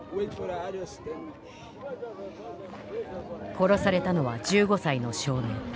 殺されたのは１５歳の少年。